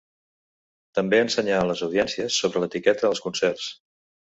També ensenyà a les audiències sobre l'etiqueta als concerts.